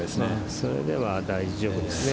それでは大丈夫ですね。